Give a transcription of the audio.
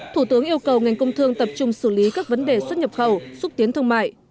thủ tướng yêu cầu ngành công thương tập trung xử lý các vấn đề xuất nhập khẩu xúc tiến thương mại